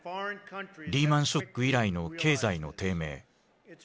リーマンショック以来の経済の低迷。